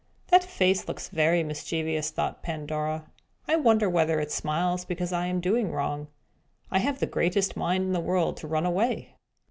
"That face looks very mischievous," thought Pandora. "I wonder whether it smiles because I am doing wrong! I have the greatest mind in the world to run away!"